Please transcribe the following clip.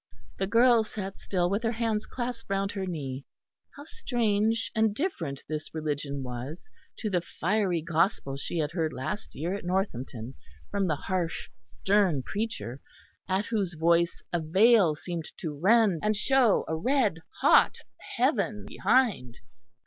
The girl sat still with her hands clasped round her knee. How strange and different this religion was to the fiery gospel she had heard last year at Northampton from the harsh stern preacher, at whose voice a veil seemed to rend and show a red hot heaven behind!